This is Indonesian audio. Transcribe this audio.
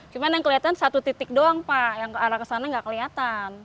cuma yang kelihatan satu titik doang pak yang ke arah kesana nggak kelihatan